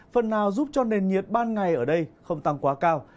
phần nào giúp cho nền nhiệt ban ngày ở đây không tăng quá cao